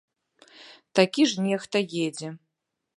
Такі ж нехта едзе!